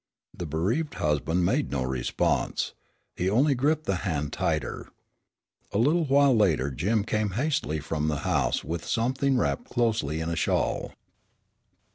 The bereaved husband made no response. He only gripped the hand tighter. A little while later Jim came hastily from the house with something small wrapped closely in a shawl.